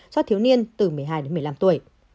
cho thiếu niên từ một mươi hai đến một mươi năm tuổi